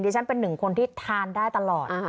ฉันเป็นหนึ่งคนที่ทานได้ตลอด